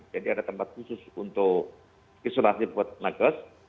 jadi ada tempat khusus untuk isolasi buat nagas